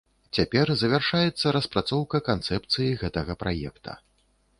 Цяпер завяршаецца распрацоўка канцэпцыі гэтага праекта.